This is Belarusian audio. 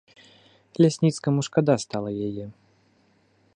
Лясніцкаму шкада стала яе.